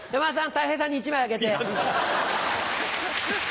たい平さんに１枚あげて。